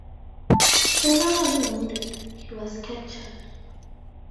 Severely wounded, he was captured.